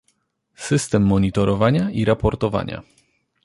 System monitorowania i raportowania